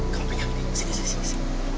kamu pegang ini sini sini